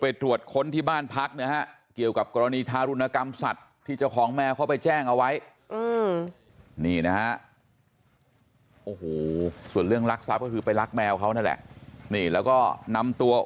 มันทำร้ายคนได้ไม่มีจบของคนเลยครับ